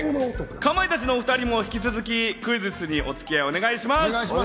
かまいたちのお２人も引き続きクイズッスにお付き合いお願いします。